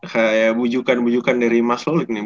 kayak bujukan bujukan dari mas lolik nih